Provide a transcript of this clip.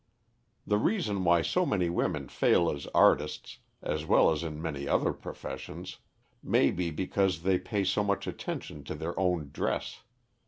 The reason why so many women fail as artists, as well as in many other professions, may be because they pay so much attention to their own dress.